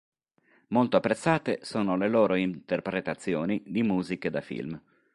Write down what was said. Molto apprezzate sono le loro interpretazioni di musiche da film.